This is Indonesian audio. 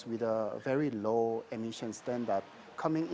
dengan standar emisi yang sangat rendah